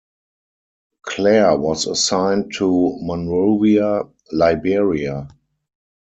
Clair was assigned to Monrovia, Liberia.